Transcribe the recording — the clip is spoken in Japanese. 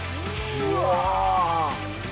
うわ。